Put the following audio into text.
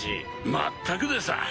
まったくでさぁ。